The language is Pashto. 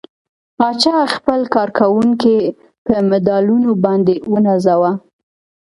پاچا خپل کارکوونکي په مډالونو باندې ونازوه.